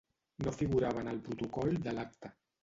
No figurava en el protocol de l’acte.